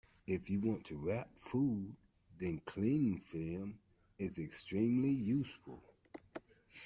If you want to wrap food, then clingfilm is extremely useful